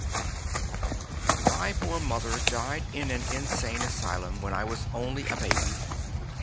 "My poor mother died in an insane asylum when I was only a baby.